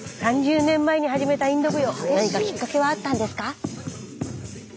３０年前に始めたインド舞踊何かきっかけはあったんですか？